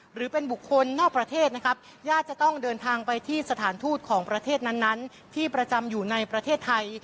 หรือเป็นบุคคลนอกประเทศนะครับญาติจะต้องเดินทางไปที่สถานทูตของประเทศนั้นที่ประจำอยู่ในประเทศไทย